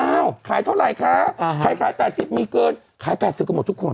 เอ้าขายเท่าไหร่ค่ะอ่ะฮะขายขายแปดสิบมีเกินขายแปดสิบก็หมดทุกคน